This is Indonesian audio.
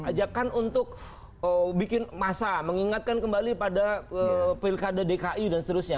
ajakan untuk bikin masa mengingatkan kembali pada pilkada dki dan seterusnya